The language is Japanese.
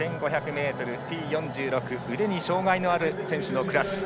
ｍＴ４６腕に障がいのある選手のクラス。